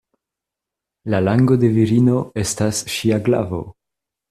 La lango de virino estas ŝia glavo.